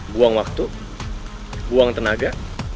buang waktu buang tenaga